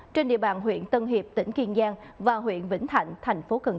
trên địa bàn huyện tân hiệp tỉnh kiên giang và huyện vĩnh thạnh tp cn